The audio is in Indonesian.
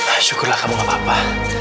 ya syukurlah kamu gak apa apa